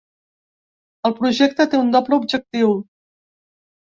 El projecte té un doble objectiu.